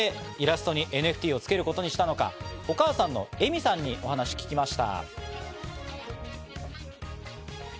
なぜイラストにＮＦＴをつけることにしたのか、お母さんの絵美さんにお話を聞きました。